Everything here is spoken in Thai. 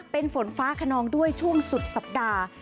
เป็นฝนฟ้าขนองด้วยช่วงสุดสัปดาห์